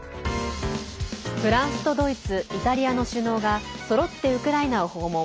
フランスとドイツイタリアの首相がそろってウクライナを訪問。